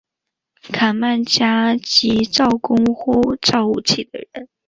卡曼加尔即造弓或造武器的人。